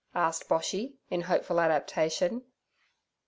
asked Boshy, in hopeful adaptation.